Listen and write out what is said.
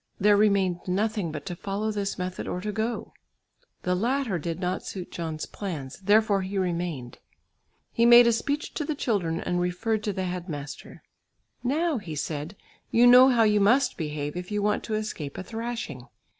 There remained nothing but to follow this method or to go; the latter did not suit John's plans, therefore he remained. He made a speech to the children and referred to the head master. "Now," he said, "you know how you must behave if you want to escape a thrashing.